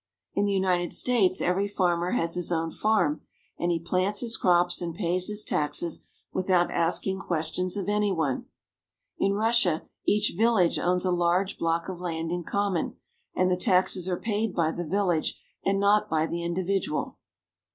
In the United States every farmer has his own farm, and THE RUSSIAN PEASANTS. 329 he plants his crops and pays his taxes without asking questions of any one. In Russia each village owns a large block of land in common, and the taxes are paid by the village and not by the individual.